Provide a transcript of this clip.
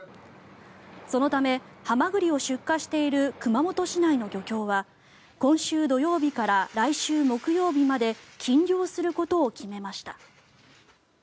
そのためハマグリを出荷している熊本市内の漁協は今週土曜日から来週木曜日まで禁漁することを決めました。